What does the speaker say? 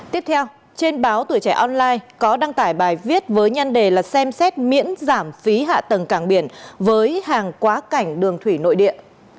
tiếp theo trên báo tuổi trẻ online có đăng tải bài viết với nhân đề là xem xét miễn giảm phí hạ tầng cảng biển với hàng quá cảnh đường thủy nội địa